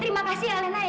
terima kasih alena ya